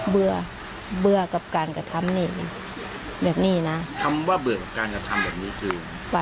เบื่อกับการกระทำนี้เย็บหนี้นา